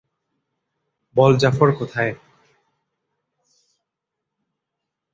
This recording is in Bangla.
বল জাফর কোথায়?